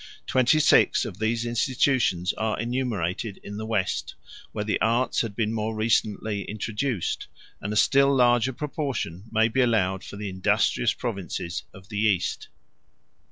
Twenty six of these institutions are enumerated in the West, where the arts had been more recently introduced, and a still larger proportion may be allowed for the industrious provinces of the East.